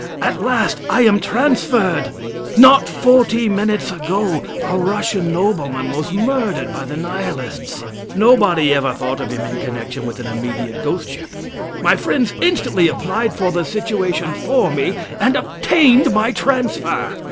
At last I am transferred! Not forty minutes ago a Russian nobleman was murdered by the Nihilists. Nobody ever thought of him in connection with an immediate ghost ship. My friends instantly applied for the situation for me, and obtained my transfer.